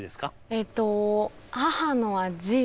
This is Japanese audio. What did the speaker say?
えっと母の味。